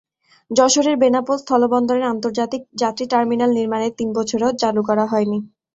যশোরের বেনাপোল স্থলবন্দরের আন্তর্জাতিক যাত্রী টার্মিনাল নির্মাণের তিন বছরেও চালু করা হয়নি।